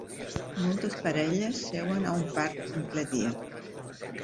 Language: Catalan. Moltes parelles seuen a un parc en ple dia.